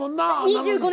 ２５年間。